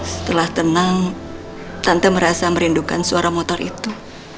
setelah tenang tante merasa merindukan suara motor itu